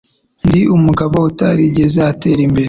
Ndi umugabo utarigeze atera imbere,